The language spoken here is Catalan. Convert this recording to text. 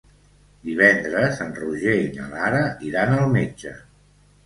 Divendres en Roger i na Lara iran al metge.